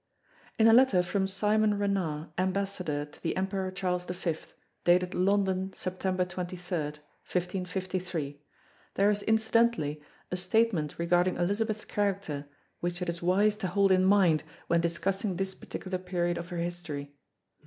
In a letter from Simon Renard Ambassador to the Emperor Charles V dated London September 23, 1553, there is incidentally a statement regarding Elizabeth's character which it is wise to hold in mind when discussing this particular period of her history.